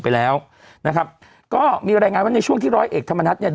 ไปแล้วก็มีแวงว่าในช่วงที่ร้อยเอกธรรมนัดจะ